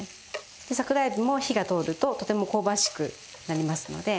桜海老も火が通るととても香ばしくなりますので。